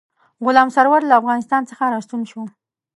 غلام سرور له افغانستان څخه را ستون شو.